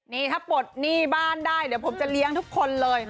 นี่ถ้าปลดหนี้บ้านได้เดี๋ยวผมจะเลี้ยงทุกคนเลย